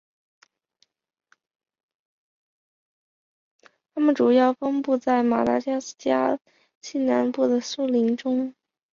它们主要分布在马达加斯加岛西南部的树林中。